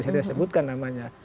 saya disebutkan namanya